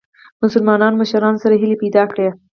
مسلمانو مشرانو سره هیلي پیدا کړې.